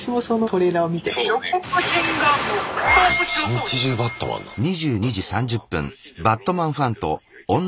一日中バットマンなんだ。